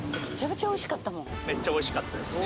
めっちゃおいしかったです。